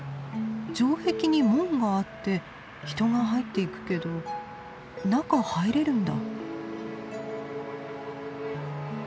城壁に門があって人が入っていくけど中入れるんだ。